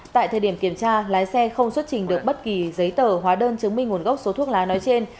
tại thời điểm kiểm tra lái xe không xuất trình được bất kỳ giấy tờ hóa đơn chứng minh nguồn gốc số thuốc lá nói trên